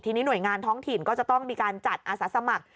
ทีนี้หน่วยงานท้องถิ่นก็จะต้องมีการจัดอาสาสมัคร